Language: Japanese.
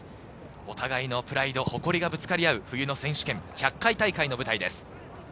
お互いのプライド、誇りがぶつかり合う冬の選手権１００回大会の舞台です。